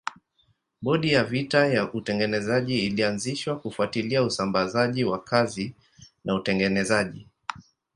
Bodi ya vita ya utengenezaji ilianzishwa kufuatilia usambazaji wa kazi na utengenezaji.